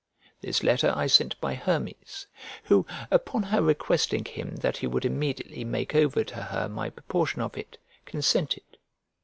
This letter I sent by Hermes, who, upon her requesting him that he would immediately make over to her my proportion of it, consented.